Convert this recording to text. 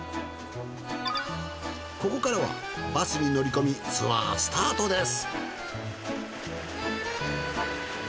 ここからはバスに乗り込みツアースタートです。